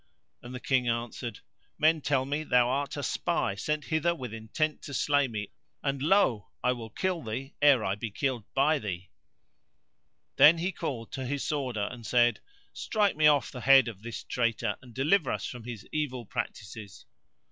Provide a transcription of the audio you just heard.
and the King answered, "Men tell me thou art a spy sent hither with intent to slay me; and lo! I will kill thee ere I be killed by thee;" then he called to his Sworder, and said, "Strike me off the head of this traitor and deliver us from his evil practices."